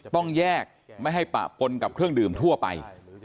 ต้องแยกไม่ให้ปะปนกับเครื่องดื่มทั่วไป